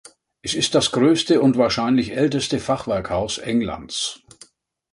Es ist das größte und wahrscheinlich älteste Fachwerkhaus Englands.